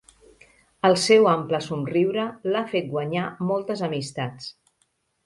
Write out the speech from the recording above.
El seu ample somriure l'ha fet guanyar moltes amistats.